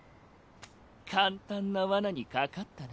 簡単な罠にかかったな。